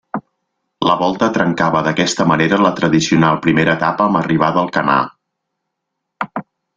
La Volta trencava d'aquesta manera la tradicional primera etapa amb arribada a Alcanar.